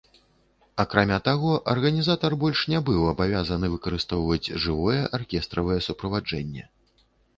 Акрамя таго, арганізатар больш не быў абавязаны выкарыстоўваць жывое аркестравае суправаджэнне.